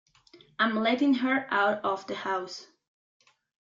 I'm letting her out of the house.